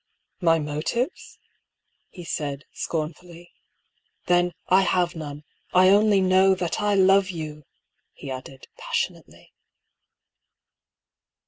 " My motives? " he said, scornfully. " Then, I have none I I only know — that I love you !" he added, pas sionately.